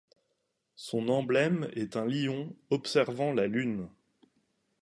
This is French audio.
Son emblème est un lion observant la lune.